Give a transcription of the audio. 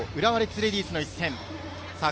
レディースの一戦。